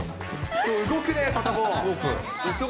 きょう、動くね、サタボー。